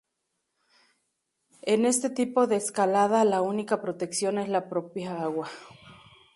En este tipo de escalada la única protección es la propia agua.